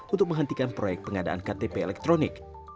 untuk menghentikan proyek pengadaan ktp elektronik